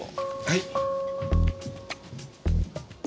はい。